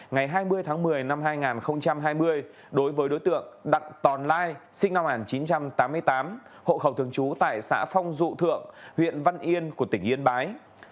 ngày hai mươi tháng một mươi năm hai nghìn hai mươi đối với đối tượng đặng tòn lai sinh năm một nghìn chín trăm tám mươi tám hộ khẩu thường trú tại xã phong dụ thượng huyện văn yên của tỉnh yên bái